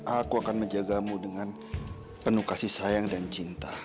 aku akan menjagamu dengan penuh kasih sayang dan cinta